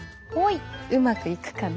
うまくいくかな。